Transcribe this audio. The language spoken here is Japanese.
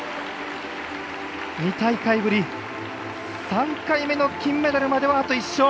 ２大会ぶり、３回目の金メダルまではあと１勝。